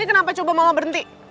ini kenapa coba mama berhenti